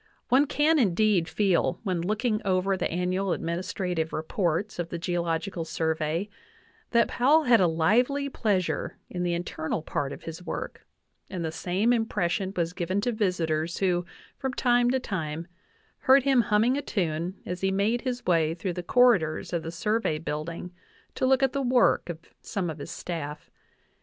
One can, indeed, feel when looking over the annual administrative re ports of the Geological Survey that Powell had a lively pleas ure in the internal part of his work, and the same impression was given to visitors who, from time to time, heard him hum ming a tune as he made his way through the corridors of the Survey building to look at the work of some of his staff.